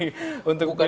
ini sudah masuk kampanye